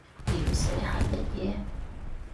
鹽蛇係乜嘢？